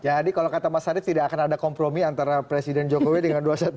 jadi kalau kata mas arief tidak akan ada kompromi antara presiden jokowi dengan dua ratus dua belas